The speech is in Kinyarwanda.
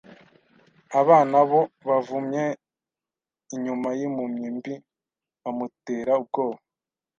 Aba na bo, bavumye inyuma y'impumyi mbi, bamutera ubwoba